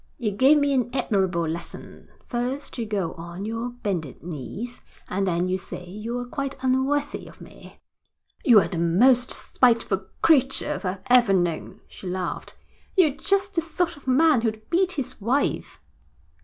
'You gave me an admirable lesson. First you go on your bended knees, and then you say you're quite unworthy of me.' 'You are the most spiteful creature I've ever known,' she laughed. 'You're just the sort of man who'd beat his wife.'